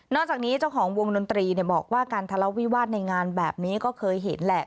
จากนี้เจ้าของวงดนตรีบอกว่าการทะเลาะวิวาสในงานแบบนี้ก็เคยเห็นแหละ